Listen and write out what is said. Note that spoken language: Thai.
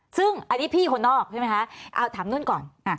ซึ่งอันนี้พี่คนนอกใช่ไหมคะเอาถามนุ่นก่อน